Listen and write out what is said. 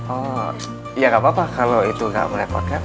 oh ya gak apa apa kalau itu gak merepotkan